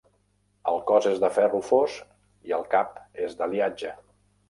El cos és de ferro fos i el cap és d'aliatge.